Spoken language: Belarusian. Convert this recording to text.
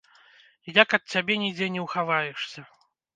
Як ад цябе нідзе не ўхаваешся.